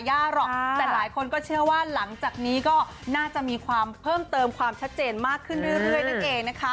ยากหรอกแต่หลายคนก็เชื่อว่าหลังจากนี้ก็น่าจะมีความเพิ่มเติมความชัดเจนมากขึ้นเรื่อยนั่นเองนะคะ